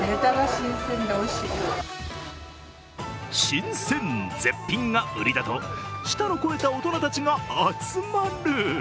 新鮮・絶品が売りだと舌の肥えた大人たちが集まる。